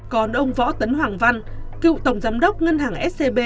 còn ông võ tấn hoàng văn cựu tổng giám đốc ngân hàng scb